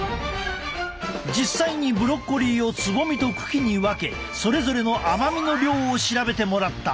実際にブロッコリーをつぼみと茎に分けそれぞれの甘みの量を調べてもらった。